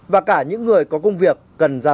và cả những người có công việc cần giữ